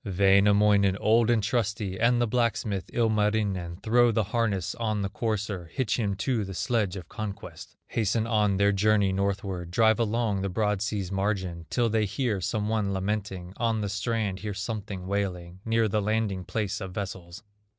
Wainamoinen, old and trusty, And the blacksmith, Ilmarinen, Throw the harness on the courser, Hitch him to the sledge of conquest, Hasten on their journey northward; Drive along the broad sea's margin Till they hear some one lamenting, On the strand hear something wailing Near the landing place of vessels.